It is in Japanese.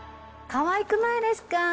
かわいくないですか？